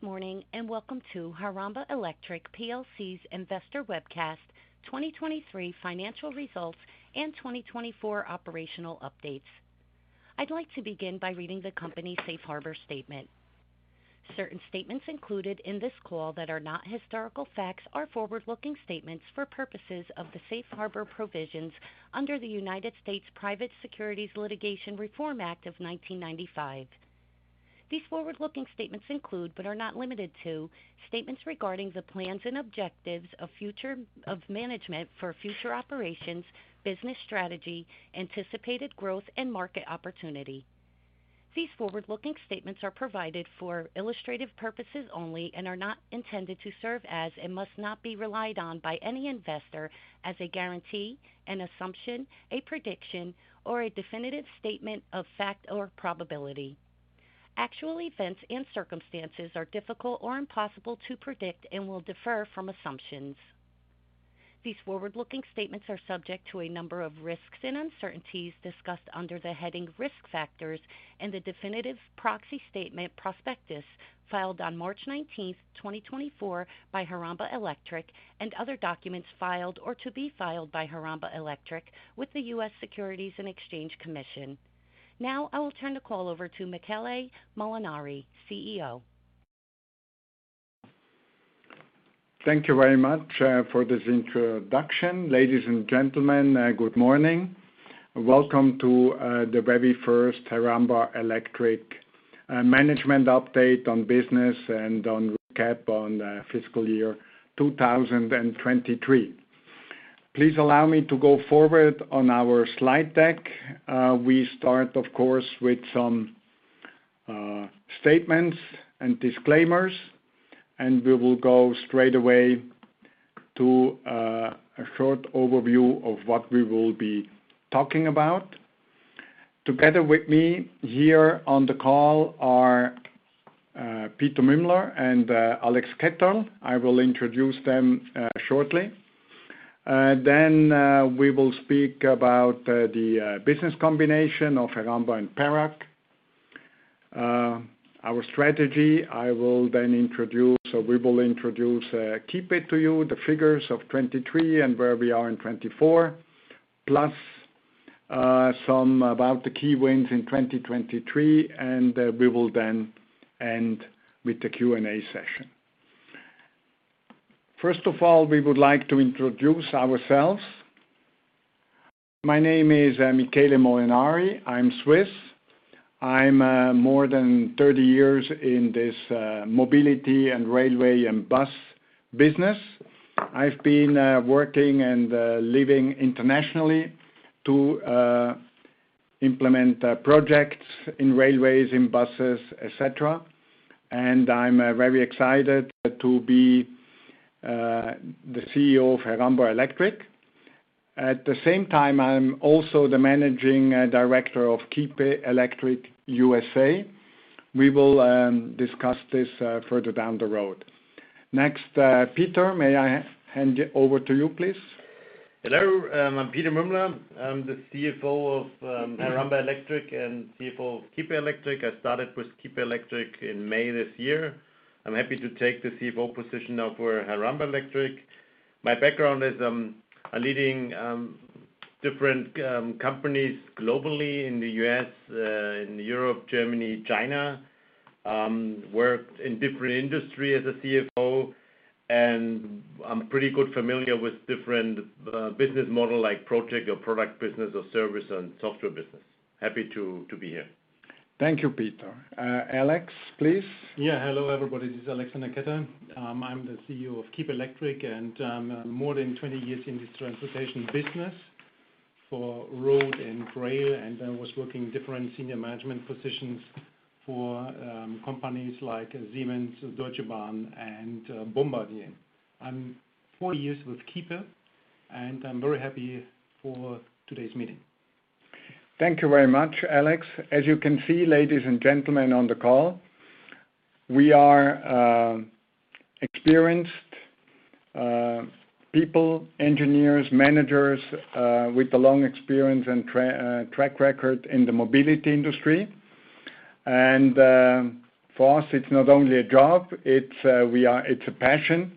Good morning and welcome to Heramba Electric plc's investor webcast, 2023 financial results and 2024 operational updates. I'd like to begin by reading the company's safe harbor statement. Certain statements included in this call that are not historical facts are forward-looking statements for purposes of the safe harbor provisions under the United States Private Securities Litigation Reform Act of 1995. These forward-looking statements include, but are not limited to, statements regarding the plans and objectives of management for future operations, business strategy, anticipated growth, and market opportunity. These forward-looking statements are provided for illustrative purposes only and are not intended to serve as and must not be relied on by any investor as a guarantee, an assumption, a prediction, or a definitive statement of fact or probability. Actual events and circumstances are difficult or impossible to predict and will differ from assumptions. These forward-looking statements are subject to a number of risks and uncertainties discussed under the heading Risk Factors and the definitive proxy statement Prospectus filed on March 19th, 2024, by Heramba Electric and other documents filed or to be filed by Heramba Electric with the U.S. Securities and Exchange Commission. Now I will turn the call over to Michele Molinari, CEO. Thank you very much for this introduction. Ladies and gentlemen, good morning. Welcome to the very first Heramba Electric management update on business and on CapEx on fiscal year 2023. Please allow me to go forward on our slide deck. We start, of course, with some statements and disclaimers, and we will go straight away to a short overview of what we will be talking about. Together with me here on the call are Peter Muemmler and Alex Ketterl. I will introduce them shortly. Then we will speak about the business combination of Heramba and PERAC. Our strategy, I will then introduce, so we will introduce, Kiepe to you, the figures of 2023 and where we are in 2024, plus some about the key wins in 2023, and we will then end with the Q&A session. First of all, we would like to introduce ourselves. My name is Michele Molinari. I'm Swiss. I'm more than 30 years in this mobility and railway and bus business. I've been working and living internationally to implement projects in railways, in buses, et cetera. I'm very excited to be the CEO of Heramba Electric. At the same time, I'm also the managing director of Kiepe Electric USA. We will discuss this further down the road. Next, Peter, may I hand you over to you, please? Hello. I'm Peter Muemmler. I'm the CFO of Heramba Electric and CFO of Kiepe Electric. I started with Kiepe Electric in May this year. I'm happy to take the CFO position over Heramba Electric. My background is I'm leading different companies globally in the U.S., in Europe, Germany, China. Work in different industries as a CFO, and I'm pretty good familiar with different business models like project or product business or service and software business. Happy to be here. Thank you, Peter. Alex, please. Yeah, hello everybody. This is Alexander Ketterl. I'm the CEO of Kiepe Electric, and I'm more than 20 years in this transportation business for road and rail, and I was working in different senior management positions for companies like Siemens, Deutsche Bahn, and Bombardier. I'm four years with Kiepe, and I'm very happy for today's meeting. Thank you very much, Alex. As you can see, ladies and gentlemen on the call, we are experienced people, engineers, managers with a long experience and track record in the mobility industry. And for us, it's not only a job, it's a passion,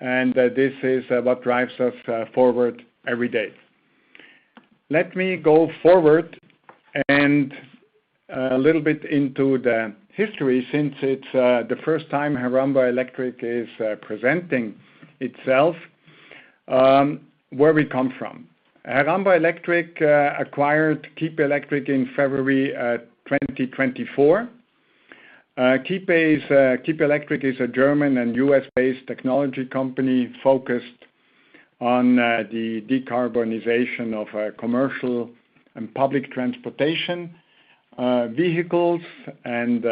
and this is what drives us forward every day. Let me go forward and a little bit into the history since it's the first time Heramba Electric is presenting itself, where we come from. Heramba Electric acquired Kiepe Electric in February 2024. Kiepe Electric is a German and U.S.-based technology company focused on the decarbonization of commercial and public transportation vehicles and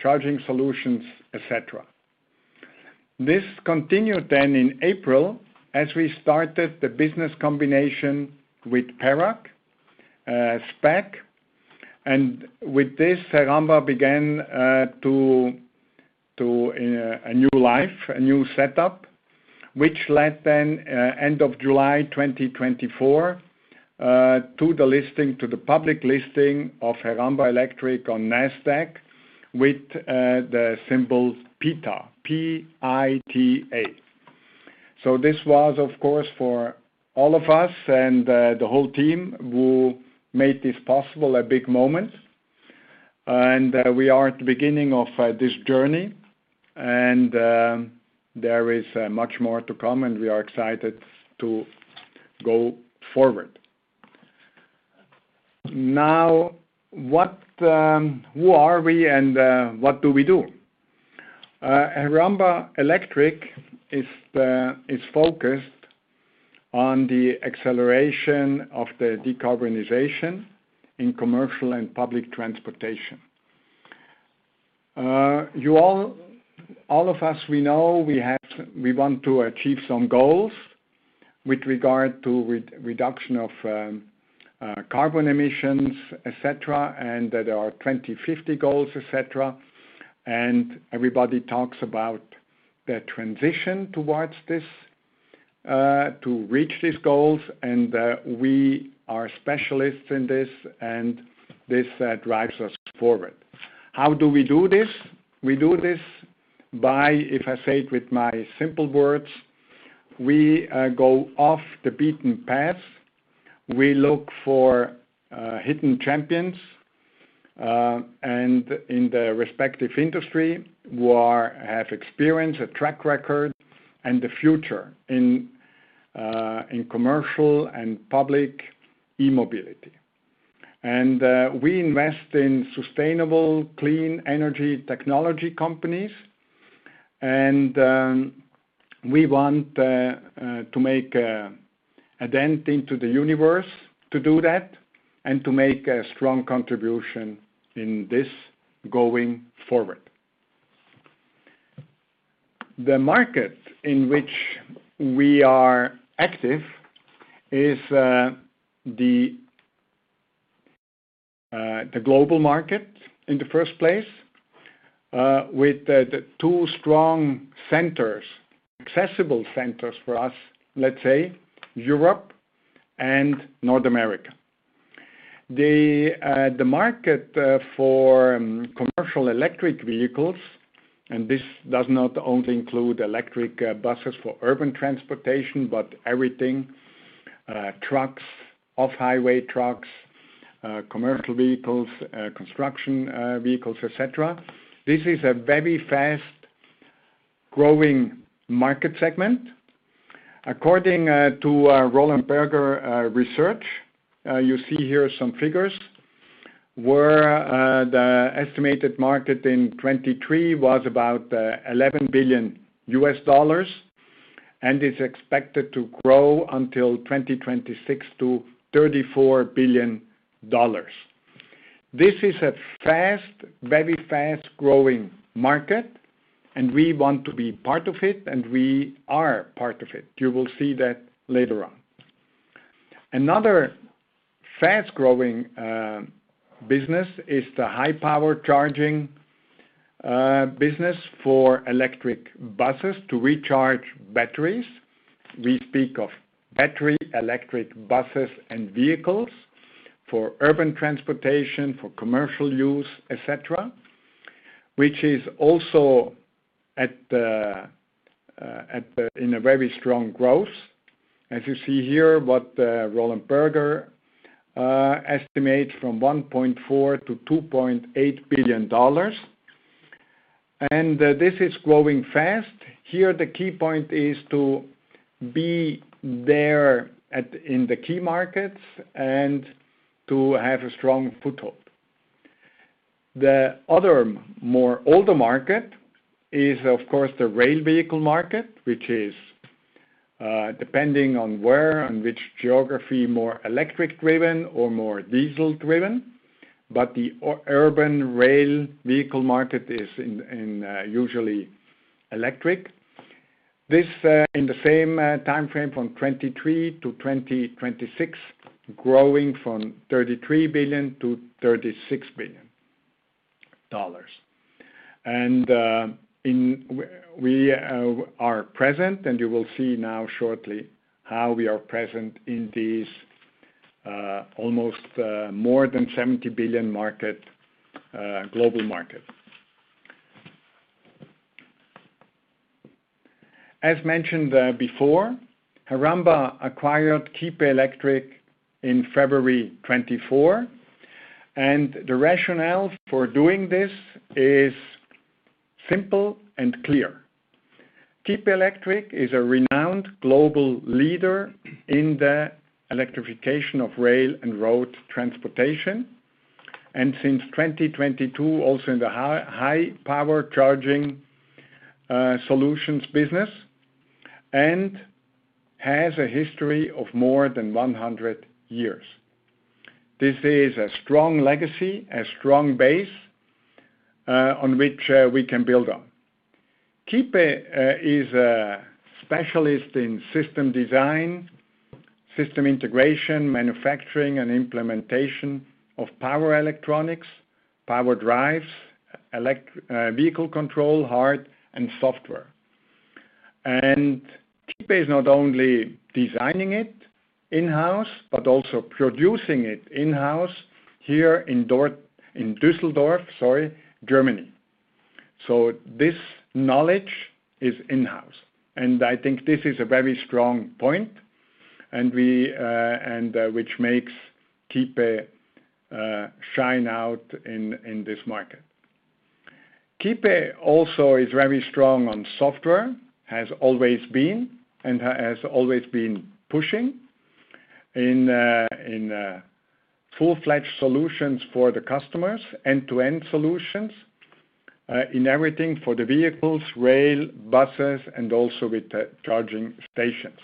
charging solutions, et cetera. This continued then in April as we started the business combination with PERAC, SPAC, and with this, Heramba began to take a new life, a new setup, which led then at the end of July 2024 to the listing, to the public listing of Heramba Electric on NASDAQ with the symbol PITA, P-I-T-A. So this was, of course, for all of us and the whole team who made this possible, a big moment. We are at the beginning of this journey, and there is much more to come, and we are excited to go forward. Now, who are we and what do we do? Heramba Electric is focused on the acceleration of the decarbonization in commercial and public transportation. All of us, we know we want to achieve some goals with regard to reduction of carbon emissions, et cetera, and there are 2050 goals, et cetera. Everybody talks about the transition towards this to reach these goals, and we are specialists in this, and this drives us forward. How do we do this? We do this by, if I say it with my simple words, we go off the beaten path. We look for hidden champions in the respective industry who have experience, a track record, and the future in commercial and public e-mobility. We invest in sustainable, clean energy technology companies, and we want to make a dent into the universe to do that and to make a strong contribution in this going forward. The market in which we are active is the global market in the first place with two strong centers, accessible centers for us, let's say Europe and North America. The market for commercial electric vehicles, and this does not only include electric buses for urban transportation, but everything, trucks, off-highway trucks, commercial vehicles, construction vehicles, et cetera. This is a very fast-growing market segment. According to Roland Berger, you see here some figures, where the estimated market in 2023 was about $11 billion, and it's expected to grow until 2026 to $34 billion. This is a fast, very fast-growing market, and we want to be part of it, and we are part of it. You will see that later on. Another fast-growing business is the high-power charging business for electric buses to recharge batteries. We speak of battery electric buses and vehicles for urban transportation, for commercial use, et cetera, which is also in a very strong growth. As you see here, what Roland Berger estimates from $1.4 billion-$2.8 billion. This is growing fast. Here, the key point is to be there in the key markets and to have a strong foothold. The other more older market is, of course, the rail vehicle market, which is, depending on where and which geography, more electric-driven or more diesel-driven, but the urban rail vehicle market is usually electric. This in the same timeframe from 2023 to 2026, growing from $33 billion-$36 billion. And we are present, and you will see now shortly how we are present in this almost more than $70 billion global market. As mentioned before, Heramba Electric acquired Kiepe Electric in February 2024, and the rationale for doing this is simple and clear. Kiepe Electric is a renowned global leader in the electrification of rail and road transportation, and since 2022, also in the high-power charging solutions business, and has a history of more than 100 years. This is a strong legacy, a strong base on which we can build on. Kiepe is a specialist in system design, system integration, manufacturing, and implementation of power electronics, power drives, vehicle control, hardware, and software. Kiepe is not only designing it in-house, but also producing it in-house here in Düsseldorf, sorry, Germany. This knowledge is in-house, and I think this is a very strong point, which makes Kiepe shine out in this market. Kiepe also is very strong on software, has always been, and has always been pushing in full-fledged solutions for the customers, end-to-end solutions in everything for the vehicles, rail, buses, and also with charging stations.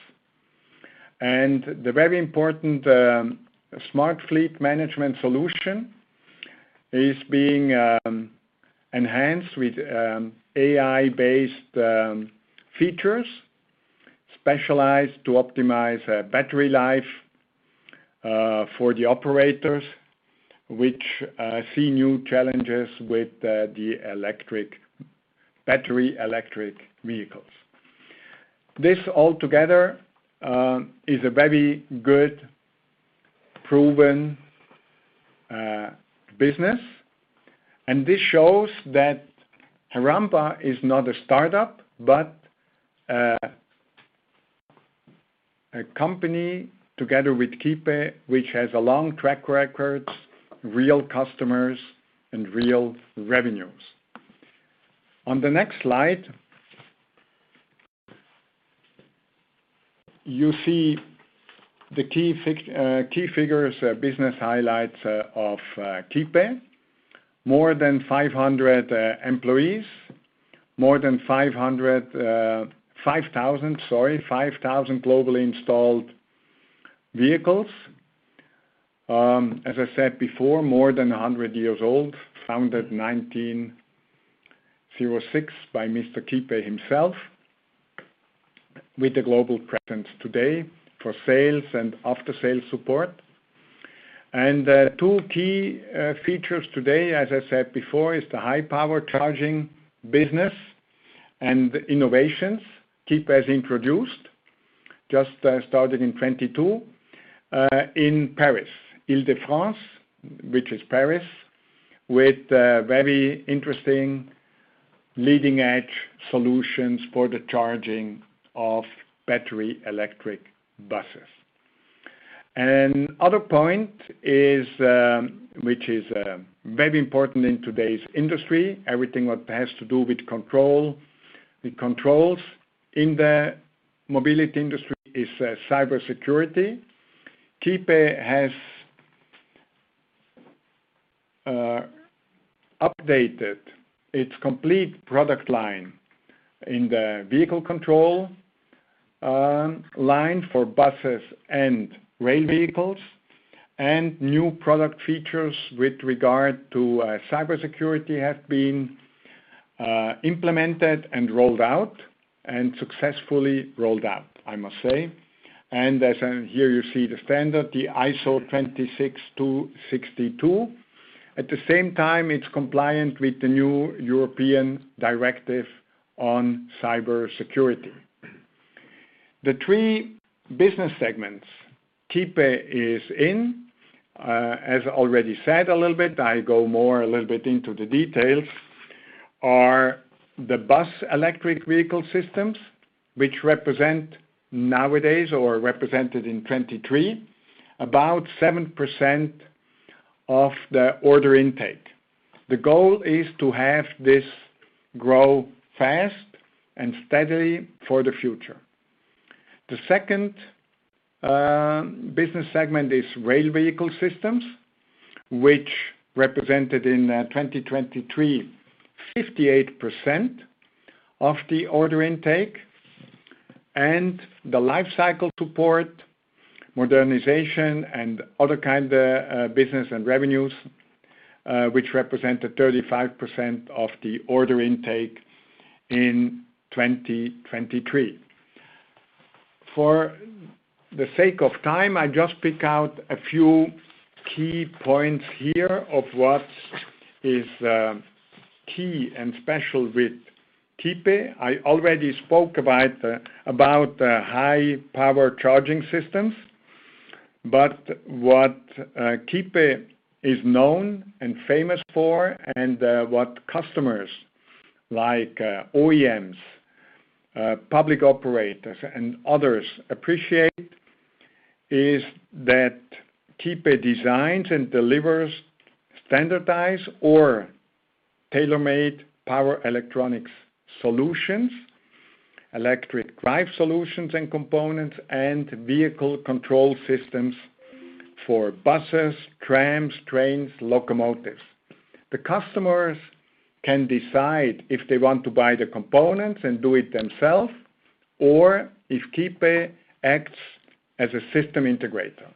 The very important smart fleet management solution is being enhanced with AI-based features specialized to optimize battery life for the operators, which see new challenges with the battery electric vehicles. This altogether is a very good proven business, and this shows that Heramba is not a startup, but a company together with Kiepe, which has a long track record, real customers, and real revenues. On the next slide, you see the key figures, business highlights of Kiepe, more than 500 employees, more than 500, 5,000, sorry, 5,000 globally installed vehicles. As I said before, more than 100 years old, founded 1906 by Mr. Kiepe himself with the global presence today for sales and after-sales support. And two key features today, as I said before, is the high-power charging business and innovations Kiepe has introduced, just starting in 2022 in Paris, Île-de-France, which is Paris, with very interesting leading-edge solutions for the charging of battery electric buses. Other point is, which is very important in today's industry, everything that has to do with control, the controls in the mobility industry is cybersecurity. Kiepe Electric has updated its complete product line in the vehicle control line for buses and rail vehicles, and new product features with regard to cybersecurity have been implemented and rolled out and successfully rolled out, I must say. As here you see the standard, the ISO 26262. At the same time, it's compliant with the new European directive on cybersecurity. The three business segments Kiepe Electric is in, as I already said a little bit, I go more a little bit into the details, are the bus electric vehicle systems, which represent nowadays or represented in 2023 about 7% of the order intake. The goal is to have this grow fast and steadily for the future. The second business segment is rail vehicle systems, which represented in 2023 58% of the order intake, and the lifecycle support, modernization, and other kinds of business and revenues, which represented 35% of the order intake in 2023. For the sake of time, I just pick out a few key points here of what is key and special with Kiepe. I already spoke about high-power charging systems, but what Kiepe is known and famous for, and what customers like OEMs, public operators, and others appreciate is that Kiepe designs and delivers standardized or tailor-made power electronics solutions, electric drive solutions and components, and vehicle control systems for buses, trams, trains, locomotives. The customers can decide if they want to buy the components and do it themselves, or if Kiepe acts as a system integrator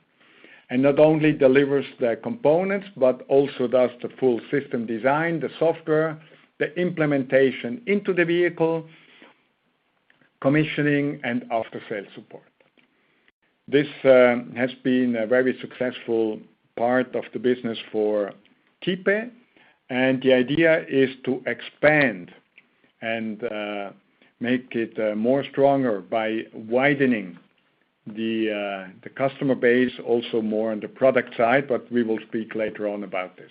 and not only delivers the components, but also does the full system design, the software, the implementation into the vehicle, commissioning, and after-sales support. This has been a very successful part of the business for Kiepe, and the idea is to expand and make it more stronger by widening the customer base also more on the product side, but we will speak later on about this.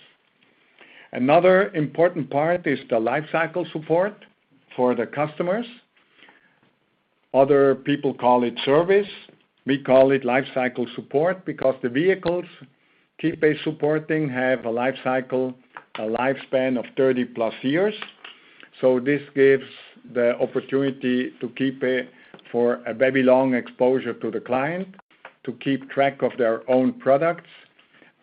Another important part is the lifecycle support for the customers. Other people call it service. We call it lifecycle support because the vehicles Kiepe is supporting have a lifecycle, a lifespan of 30+ years. So this gives the opportunity to Kiepe for a very long exposure to the client, to keep track of their own products,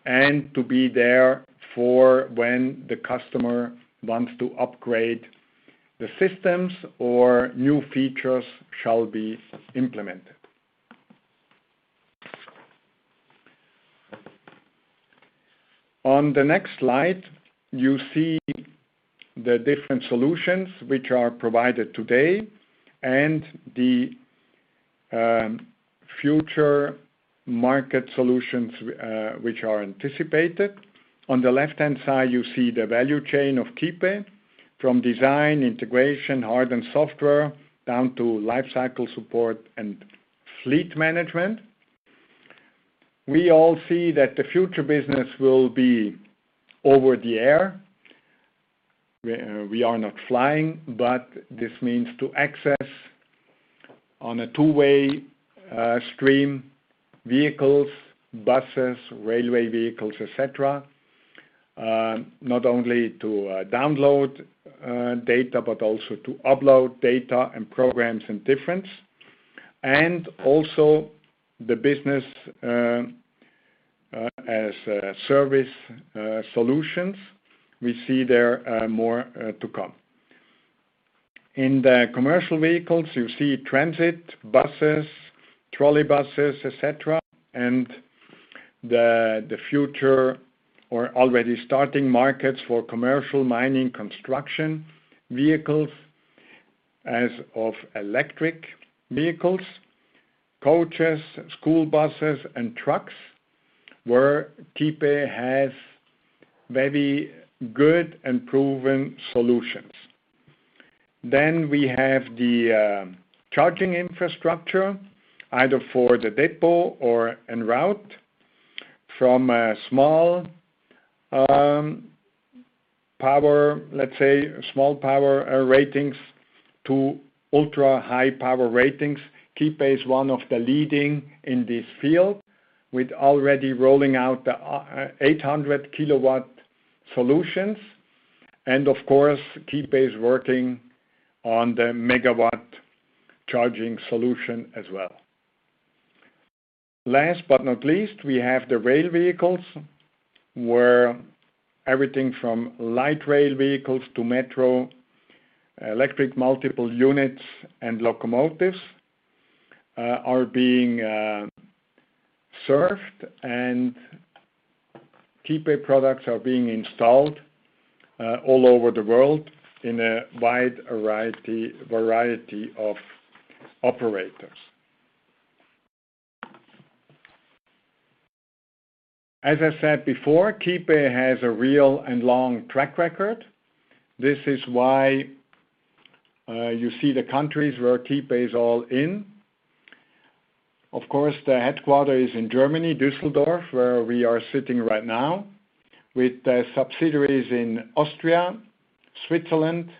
and to be there for when the customer wants to upgrade the systems or new features shall be implemented. On the next slide, you see the different solutions which are provided today and the future market solutions which are anticipated. On the left-hand side, you see the value chain of Kiepe from design, integration, hardware and software, down to lifecycle support and fleet management. We all see that the future business will be over-the-air. We are not flying, but this means to access on a two-way stream, vehicles, buses, railway vehicles, et cetera, not only to download data, but also to upload data and programs and differents. And also the business-as-a-service solutions, we see there more to come. In the commercial vehicles, you see transit, buses, trolleybuses, et cetera, and the future or already starting markets for commercial mining, construction vehicles as of electric vehicles, coaches, school buses, and trucks where Kiepe has very good and proven solutions. Then we have the charging infrastructure, either for the depot or en route from a small power, let's say small power ratings to ultra high power ratings. Kiepe is one of the leading in this field with already rolling out the 800 kW solutions. And of course, Kiepe is working on the megawatt charging solution as well. Last but not least, we have the rail vehicles where everything from light rail vehicles to metro, electric multiple units, and locomotives are being served, and Kiepe products are being installed all over the world in a wide variety of operators. As I said before, Kiepe has a real and long track record. This is why you see the countries where Kiepe is all in. Of course, the headquarters is in Germany, Düsseldorf, where we are sitting right now, with subsidiaries in Austria, Switzerland,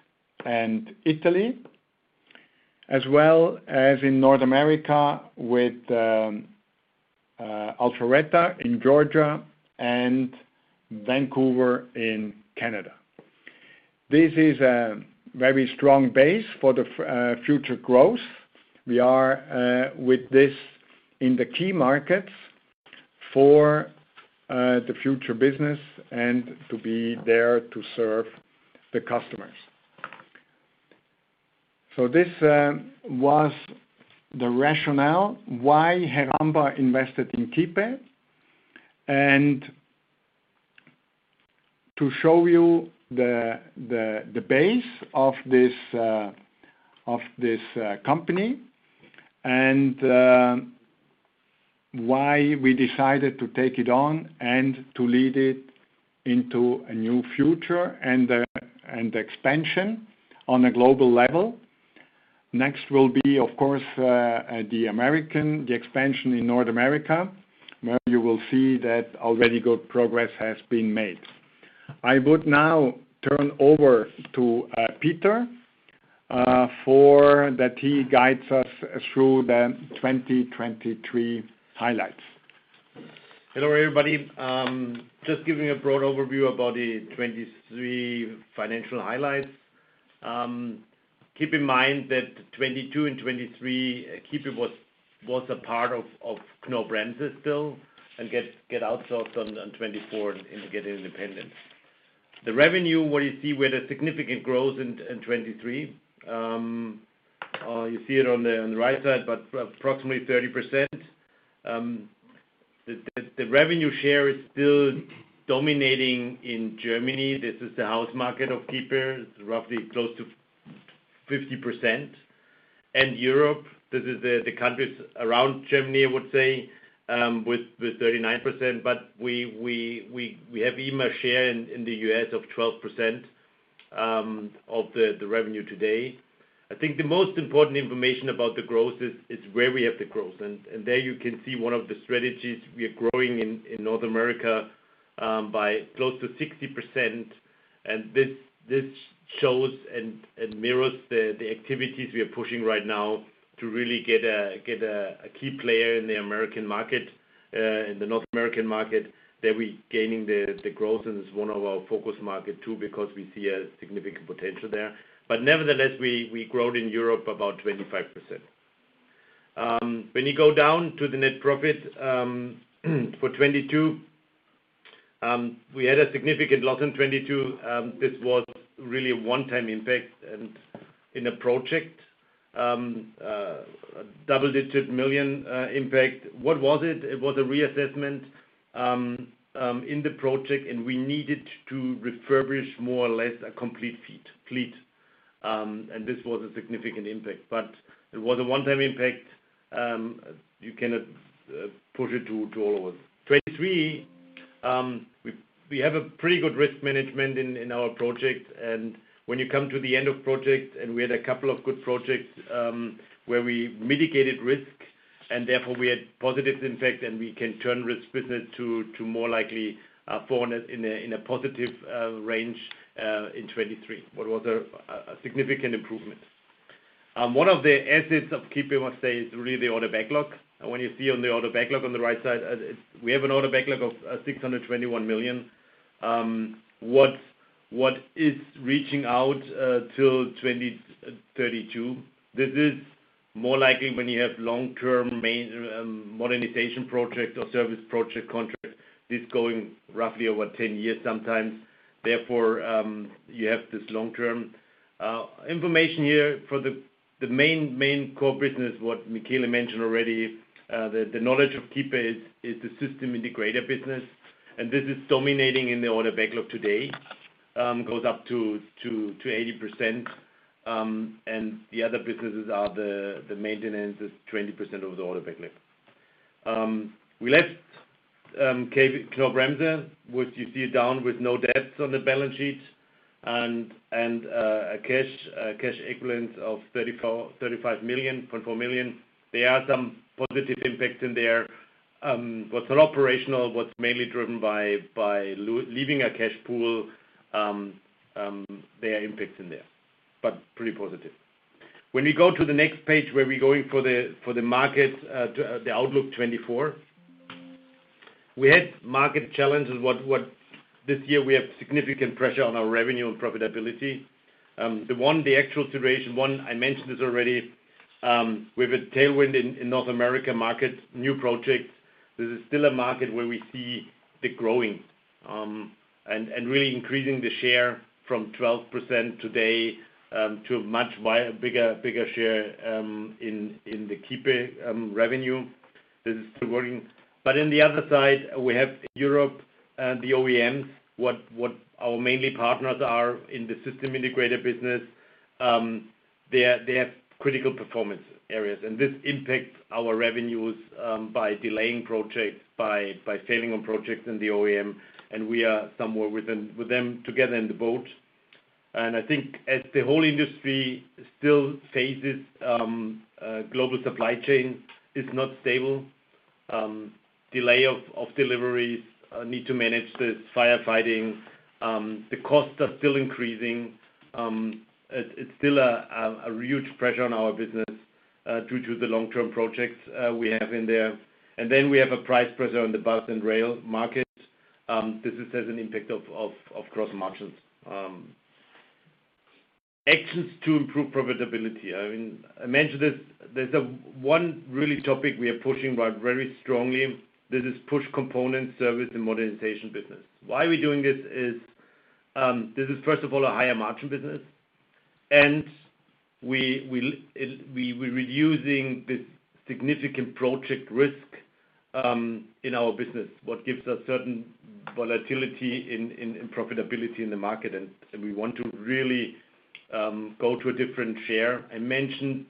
and Italy, as well as in North America with Alpharetta in Georgia and Vancouver in Canada. This is a very strong base for the future growth. We are with this in the key markets for the future business and to be there to serve the customers. So this was the rationale why Heramba invested in Kiepe, and to show you the base of this company, and why we decided to take it on and to lead it into a new future and expansion on a global level. Next will be, of course, the American, the expansion in North America, where you will see that already good progress has been made. I would now turn over to Peter for that he guides us through the 2023 highlights. Hello everybody. Just giving a broad overview about the 2023 financial highlights. Keep in mind that 2022 and 2023, Kiepe Electric was a part of Knorr-Bremse and got outsourced on 2024 and got independent. The revenue, what you see with a significant growth in 2023, you see it on the right side, but approximately 30%. The revenue share is still dominating in Germany. This is the home market of Kiepe Electric, roughly close to 50%. And Europe, this is the countries around Germany, I would say, with 39%, but we have a share in the U.S. of 12% of the revenue today. I think the most important information about the growth is where we have the growth. And there you can see one of the strategies we are growing in North America by close to 60%. And this shows and mirrors the activities we are pushing right now to really get a key player in the American market, in the North American market, that we are gaining the growth, and it's one of our focus markets too because we see a significant potential there. But nevertheless, we grow in Europe about 25%. When you go down to the net profit for 2022, we had a significant loss in 2022. This was really a one-time impact in a project, double-digit million impact. What was it? It was a reassessment in the project, and we needed to refurbish more or less a complete fleet. And this was a significant impact, but it was a one-time impact. You cannot push it to all over. 2023, we have a pretty good risk management in our project. And when you come to the end of project, and we had a couple of good projects where we mitigated risk, and therefore we had positive impact, and we can turn risk business to more likely in a positive range in 2023, what was a significant improvement. One of the assets of Kiepe, I must say, is really the order backlog. When you see on the order backlog on the right side, we have an order backlog of 621 million. What is reaching out till 2032? This is more likely when you have long-term modernization project or service project contract, this going roughly over 10 years sometimes. Therefore, you have this long-term information here for the main core business, what Michele mentioned already. The knowledge of Kiepe is the system integrator business, and this is dominating in the order backlog today, goes up to 80%. The other businesses are the maintenance, 20% of the order backlog. We left Knorr-Bremse, which you see down with no debts on the balance sheet and a cash equivalent of $35 million, $0.4 million. There are some positive impacts in there. What's not operational, what's mainly driven by leaving a cash pool, there are impacts in there, but pretty positive. When we go to the next page where we're going for the market, the outlook 2024, we had market challenges. This year, we have significant pressure on our revenue and profitability. The actual situation, one, I mentioned this already, we have a tailwind in North America market, new projects. This is still a market where we see the growing and really increasing the share from 12% today to a much bigger share in the Kiepe revenue. This is still working. But on the other side, we have Europe and the OEMs, what our mainly partners are in the system integrator business. They have critical performance areas, and this impacts our revenues by delaying projects, by failing on projects in the OEM, and we are somewhere with them together in the boat. And I think as the whole industry still faces global supply chain, it's not stable. Delay of deliveries, need to manage the firefighting. The costs are still increasing. It's still a huge pressure on our business due to the long-term projects we have in there. And then we have a price pressure on the bus and rail markets. This has an impact of gross margins. Actions to improve profitability. I mentioned this. There's one really topic we are pushing very strongly. This is push component service and modernization business. Why are we doing this? This is, first of all, a higher margin business, and we're reducing the significant project risk in our business, what gives us certain volatility in profitability in the market. And we want to really go to a different share. I mentioned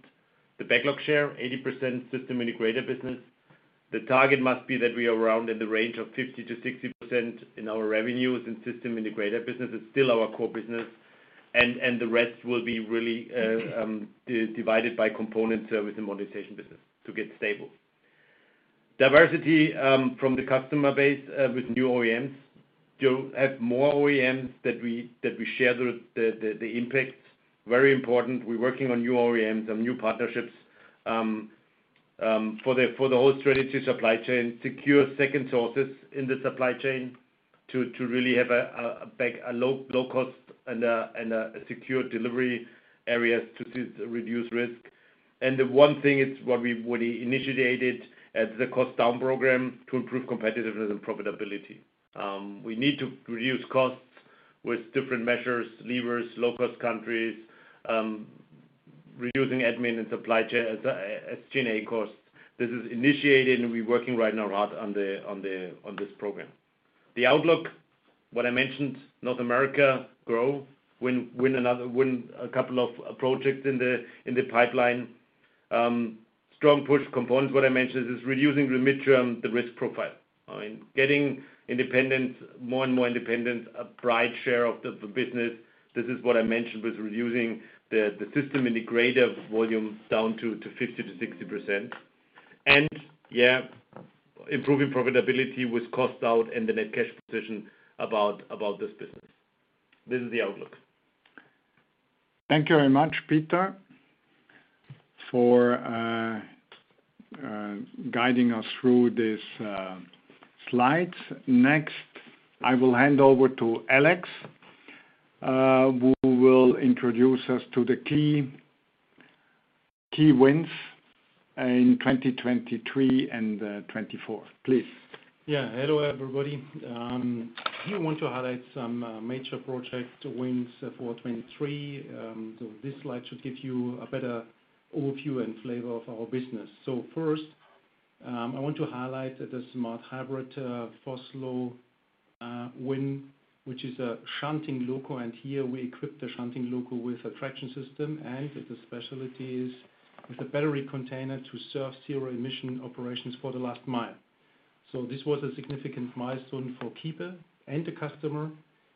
the backlog share, 80% system integrator business. The target must be that we are around in the range of 50%-60% in our revenues in system integrator business. It's still our core business, and the rest will be really divided by component service and modernization business to get stable. Diversity from the customer base with new OEMs. We have more OEMs that we share the impact. Very important. We're working on new OEMs, on new partnerships for the whole strategy, supply chain, secure second sources in the supply chain to really have a low-cost and a secure delivery areas to reduce risk. The one thing is what we initiated at the cost down program to improve competitiveness and profitability. We need to reduce costs with different measures, levers, low-cost countries, reducing admin and supply chain costs. This is initiated, and we're working right now hard on this program. The outlook, what I mentioned, North America grow, win a couple of projects in the pipeline. Strong push components, what I mentioned, is reducing the midterm, the risk profile. Getting independence, more and more independence, a bright share of the business. This is what I mentioned with reducing the system integrator volume down to 50%-60%. And yeah, improving profitability with cost out and the net cash position about this business. This is the outlook. Thank you very much, Peter, for guiding us through these slides. Next, I will hand over to Alex, who will introduce us to the key wins in 2023 and 2024. Please. Yeah, hello everybody. Here I want to highlight some major project wins for 2023. This slide should give you a better overview and flavor of our business. So first, I want to highlight the smart hybrid Vossloh win, which is a shunting loco, and here we equipped the shunting loco with a traction system, and the specialty is with a battery container to serve zero emission operations for the last mile. So this was a significant milestone for Kiepe and the customer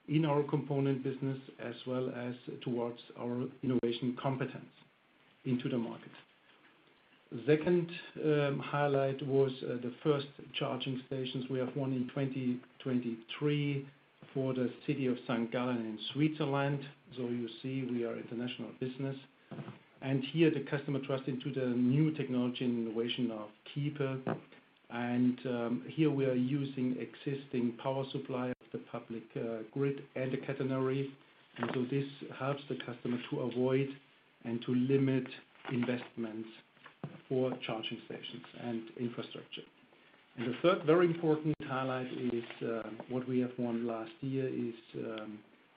in our component business, as well as towards our innovation competence into the market. Second highlight was the first charging stations. We have one in 2023 for the city of St. Gallen in Switzerland. So you see we are international business. Here the customer trust into the new technology and innovation of Kiepe. Here we are using existing power supply, the public grid, and the catenary. So this helps the customer to avoid and to limit investments for charging stations and infrastructure. The third very important highlight is what we have won last year is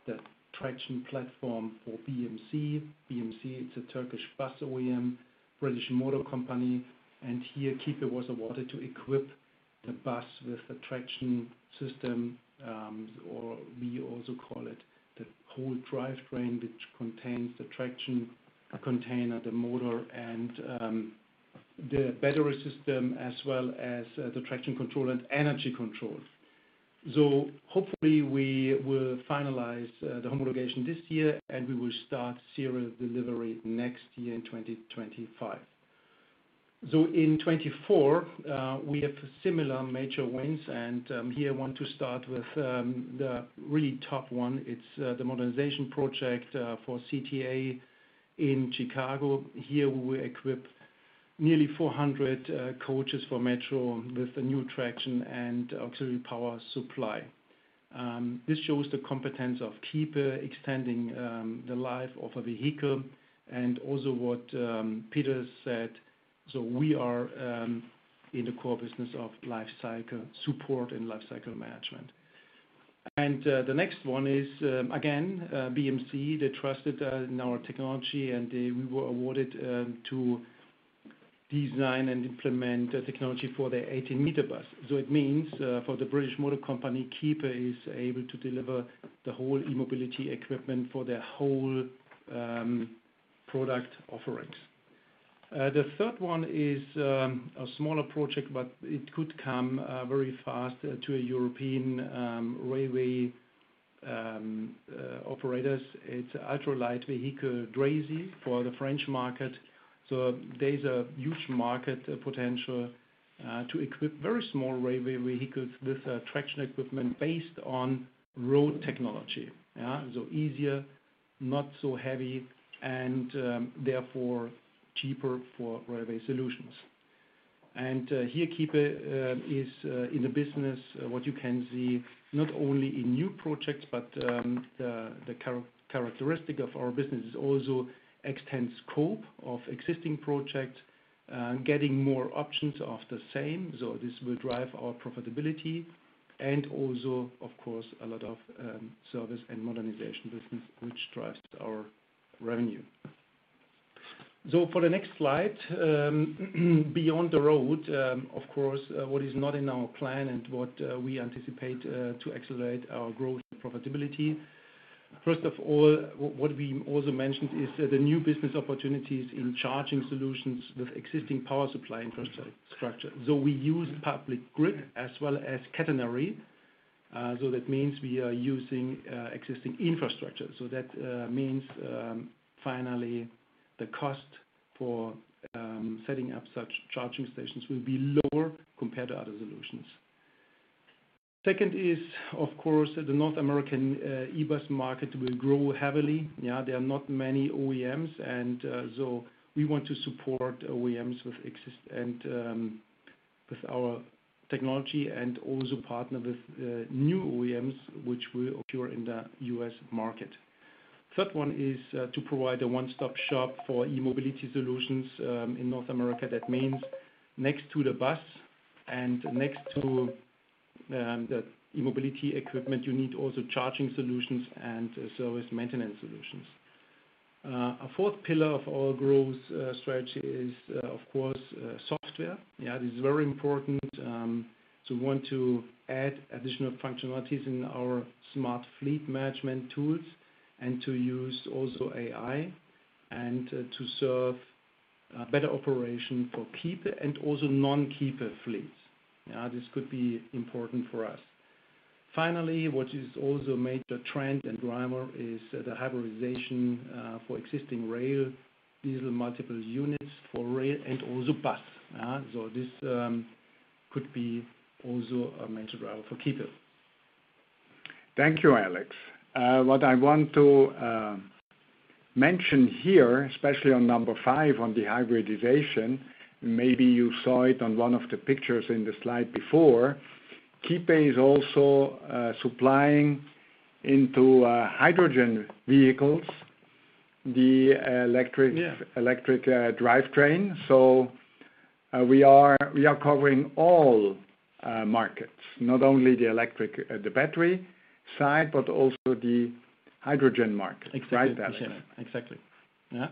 the traction platform for BMC. BMC, it's a Turkish bus OEM, British Motor Company. Here Kiepe was awarded to equip the bus with a traction system, or we also call it the whole drive train, which contains the traction container, the motor, and the battery system, as well as the traction control and energy control. So hopefully we will finalize the homologation this year, and we will start serial delivery next year in 2025. So in 2024, we have similar major wins, and here I want to start with the really top one. It's the modernization project for CTA in Chicago. Here we will equip nearly 400 coaches for Metro with the new traction and auxiliary power supply. This shows the competence of Kiepe extending the life of a vehicle and also what Peter said. So we are in the core business of lifecycle support and lifecycle management. And the next one is, again, BMC, they trusted in our technology, and we were awarded to design and implement the technology for their 18-m bus. So it means for the British Motor Company, Kiepe is able to deliver the whole e-mobility equipment for their whole product offerings. The third one is a smaller project, but it could come very fast to European railway operators. It's an ultralight vehicle, Draisy, for the French market. So there's a huge market potential to equip very small railway vehicles with traction equipment based on road technology. So easier, not so heavy, and therefore cheaper for railway solutions. And here Kiepe is in the business, what you can see, not only in new projects, but the characteristic of our business is also extended scope of existing projects, getting more options of the same. So this will drive our profitability and also, of course, a lot of service and modernization business, which drives our revenue. So for the next slide, beyond the road, of course, what is not in our plan and what we anticipate to accelerate our growth and profitability. First of all, what we also mentioned is the new business opportunities in charging solutions with existing power supply infrastructure. So we use public grid as well as catenary. So that means we are using existing infrastructure. So that means finally the cost for setting up such charging stations will be lower compared to other solutions. Second is, of course, the North American e-bus market will grow heavily. There are not many OEMs, and so we want to support OEMs and with our technology and also partner with new OEMs, which will occur in the U.S. market. Third one is to provide a one-stop shop for e-mobility solutions in North America. That means next to the bus and next to the e-mobility equipment, you need also charging solutions and service maintenance solutions. A fourth pillar of our growth strategy is, of course, software. This is very important. So we want to add additional functionalities in our smart fleet management tools and to use also AI and to serve better operation for Kiepe and also non-Kiepe fleets. This could be important for us. Finally, what has also made the trend and driver is the hybridization for existing rail, diesel multiple units for rail and also bus. So this could be also a major driver for Kiepe. Thank you, Alex. What I want to mention here, especially on number five on the hybridization, maybe you saw it on one of the pictures in the slide before. Kiepe is also supplying into hydrogen vehicles, the electric drive train. So we are covering all markets, not only the electric, the battery side, but also the hydrogen market. Exactly. Exactly. Yeah.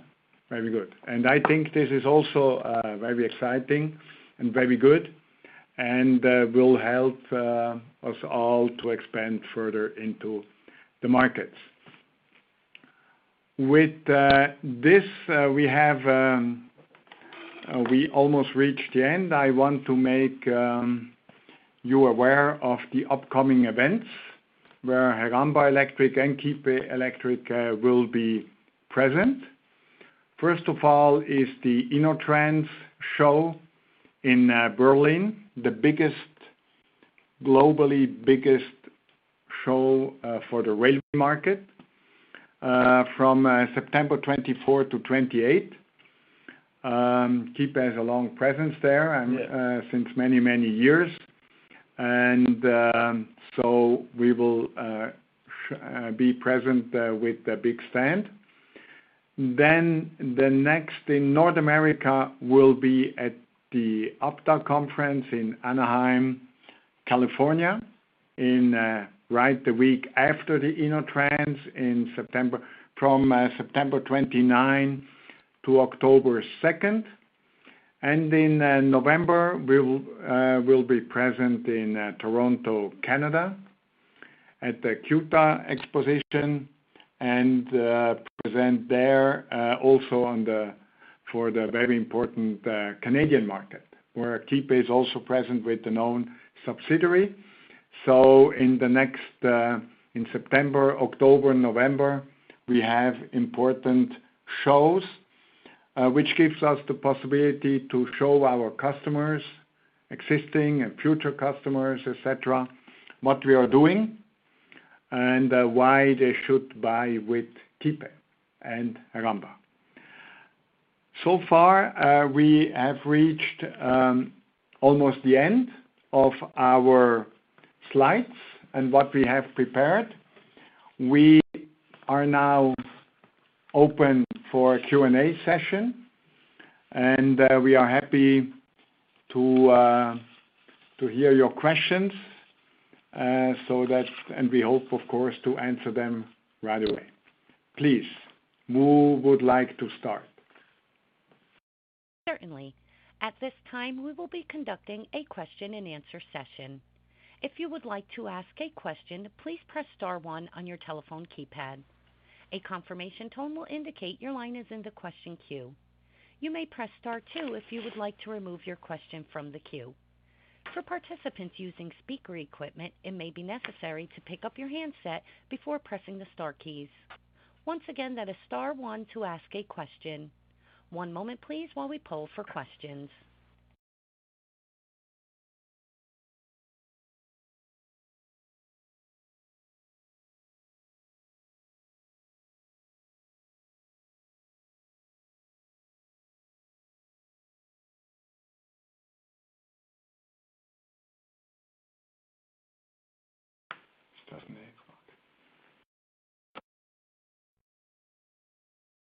Very good. I think this is also very exciting and very good and will help us all to expand further into the markets. With this, we have almost reached the end. I want to make you aware of the upcoming events where Heramba Electric and Kiepe Electric will be present. First of all is the InnoTrans show in Berlin, the biggest globally biggest show for the rail market from September 24 to 28. Kiepe has a long presence there since many, many years. And so we will be present with the big stand. Then the next in North America will be at the APTA conference in Anaheim, California, right the week after the InnoTrans in September, from September 29 to October 2. And in November, we will be present in Toronto, Canada, at the CUTA exposition and present there also for the very important Canadian market, where Kiepe is also present with the known subsidiary. So in the next in September, October, November, we have important shows, which gives us the possibility to show our customers, existing and future customers, etc., what we are doing and why they should buy with Kiepe and Heramba Electric. So far, we have reached almost the end of our slides and what we have prepared. We are now open for a Q&A session, and we are happy to hear your questions, and we hope, of course, to answer them right away. Please, who would like to start? Certainly. At this time, we will be conducting a question-and-answer session. If you would like to ask a question, please press star one on your telephone keypad. A confirmation tone will indicate your line is in the question queue. You may press star two if you would like to remove your question from the queue. For participants using speaker equipment, it may be necessary to pick up your handset before pressing the star keys. Once again, that is star one to ask a question. One moment, please, while we poll for questions.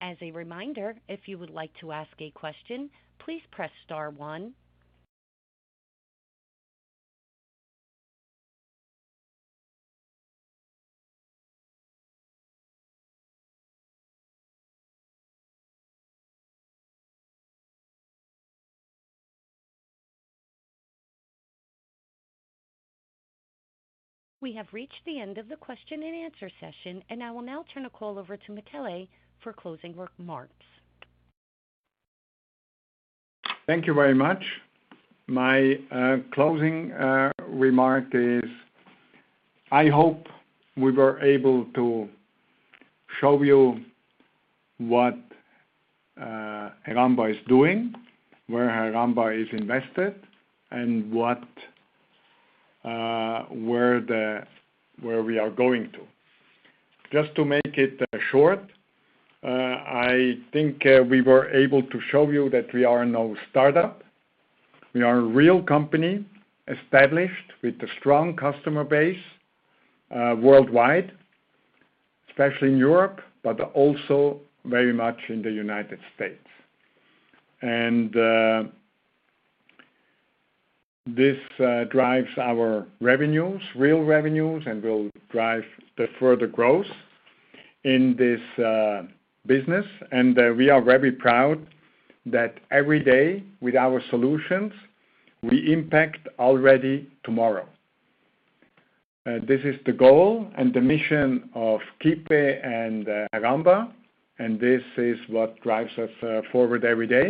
As a reminder, if you would like to ask a question, please press star one. We have reached the end of the question-and-answer session, and I will now turn the call over to Michele for closing remarks. Thank you very much. My closing remark is, I hope we were able to show you what Heramba is doing, where Heramba is invested, and where we are going to. Just to make it short, I think we were able to show you that we are no startup. We are a real company established with a strong customer base worldwide, especially in Europe, but also very much in the United States. This drives our revenues, real revenues, and will drive the further growth in this business. We are very proud that every day with our solutions, we impact already tomorrow. This is the goal and the mission of Kiepe and Heramba Electric, and this is what drives us forward every day.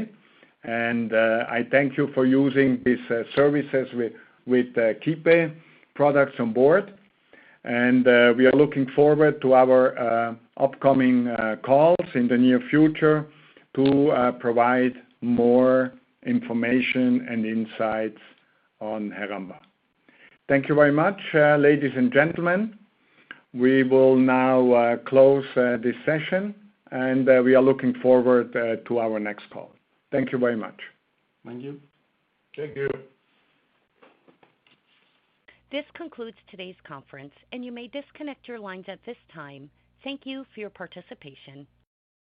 I thank you for using these services with Kiepe products on board. We are looking forward to our upcoming calls in the near future to provide more information and insights on Heramba Electric. Thank you very much, ladies and gentlemen. We will now close this session, and we are looking forward to our next call. Thank you very much. Thank you. Thank you. This concludes today's conference, and you may disconnect your lines at this time. Thank you for your participation.